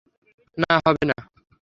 না, হবে না!